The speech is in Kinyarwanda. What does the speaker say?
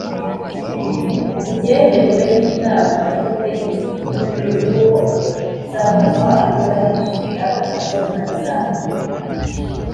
byemejwe n Inama y Ubutegetsi bw’ igihugu yuko umuntu uzafatwa atubahirije ingamba za corona azahanwa